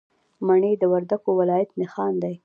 مڼې د وردګو ولایت نښان دی.